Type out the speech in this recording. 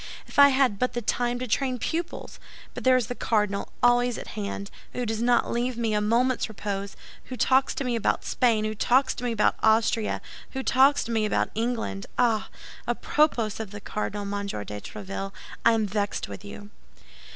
If I had but the time to train pupils! But there is the cardinal always at hand, who does not leave me a moment's repose; who talks to me about Spain, who talks to me about Austria, who talks to me about England! Ah! à propos of the cardinal, Monsieur de Tréville, I am vexed with you!"